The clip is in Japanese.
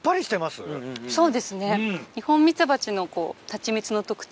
そうですね。